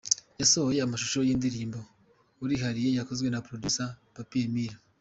Yasohoye amashusho y’indirimbo ‘Urihariye’ yakozwe na Producer Papa Emile.